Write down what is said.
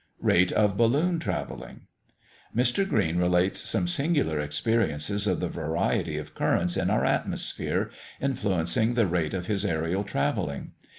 RATE OF BALLOON TRAVELLING. Mr. Green relates some singular experiences of the variety of currents in our atmosphere, influencing the rate of his aërial travelling.